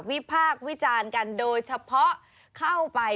พากษ์วิจารณ์กันโดยเฉพาะเข้าไป